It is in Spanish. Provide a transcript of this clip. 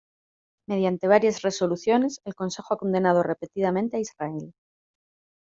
Mediante varias resoluciones, el Consejo ha condenado repetidamente a Israel.